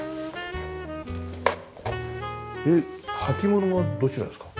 履物はどちらですか？